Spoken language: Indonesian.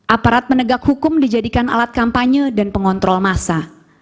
aparat penegak hukum dijadikan alat kampanye dan pengontrol masa